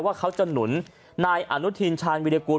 ว่าเขาจะหนุนนายอนุทินชาญวิรากูล